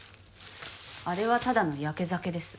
あれはただのやけ酒です。